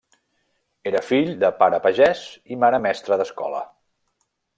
Era fill de pare pagès i mare mestra d'escola.